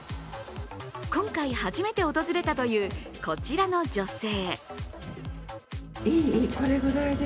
今回、初めて訪れたというこちらの女性。